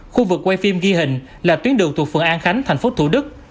khu vực quay phim ghi hình là tuyến đường thuộc phường an khánh thành phố thủ đức